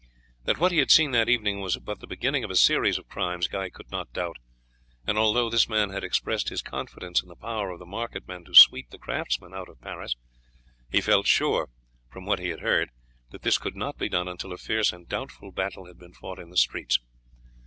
That what he had seen that evening was but the beginning of a series of crimes, Guy could not doubt; and although this man had expressed his confidence in the power of the market men to sweep the craftsmen out of Paris, he felt sure from what he had heard, that this could not be done until a fierce and doubtful battle had been fought in the streets.